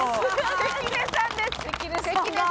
関根勤さんです。